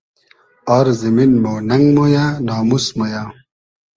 آر زیمین مۉ نئنگ مۉیۂ ناموس مۉ یۂ